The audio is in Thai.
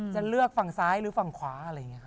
จะเลือกฝั่งซ้ายหรือฝั่งขวา